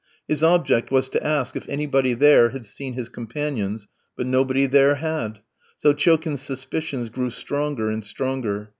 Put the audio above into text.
His object was to ask if anybody there had seen his companions; but nobody there had, so Chilkin's suspicions grew stronger and stronger.